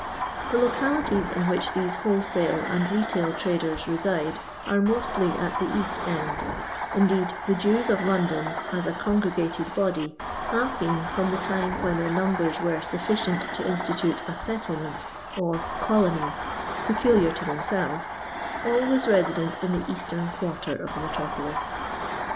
The localities in which these wholesale and n tail traders nside are mostly at the East end — in ^d the Jews of London, as a congregated body, have been, from the times when their numbtfi were sufficient to institute a "settlement" or " colony," peculiar to themselves, always resident in the eastern quaiter of th« metronolii.